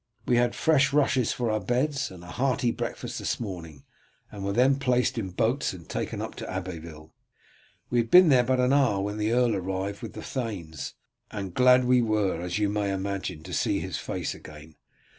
We had fresh rushes for our beds, and a hearty breakfast this morning, and were then placed in boats and taken up to Abbeville. We had been there but an hour when the earl arrived with the thanes, and glad were we, as you may imagine, to see his face again.